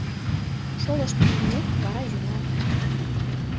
Шолышт кондымек, вара йӱына...